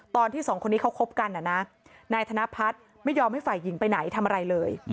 ตอนที่สองคนนี้เขาคบกันนายธนพัฒน์ไม่ยอมให้ฝ่ายหญิงไปไหนทำอะไรเลย